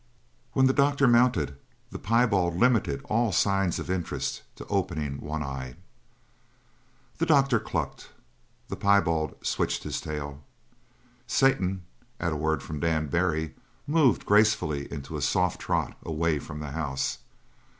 When the doctor mounted, the piebald limited all signs of interest to opening one eye. The doctor clucked. The piebald switched his tail. Satan, at a word from Dan Barry, moved gracefully into a soft trot away from the house.